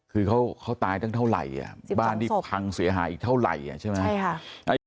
คือเขาตายตั้งเท่าไหร่บ้านที่พังเสียหายอีกเท่าไหร่ใช่ไหม